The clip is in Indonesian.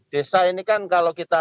desa ini kan kalau kita